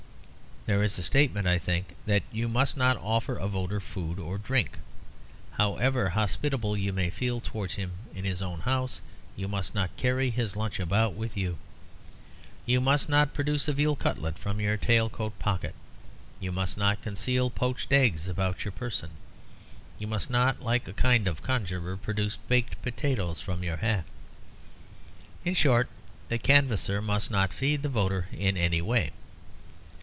There is a statement, I think, that you must not offer a voter food or drink. However hospitable you may feel towards him in his own house, you must not carry his lunch about with you. You must not produce a veal cutlet from your tail coat pocket. You must not conceal poached eggs about your person. You must not, like a kind of conjurer, produce baked potatoes from your hat. In short, the canvasser must not feed the voter in any way.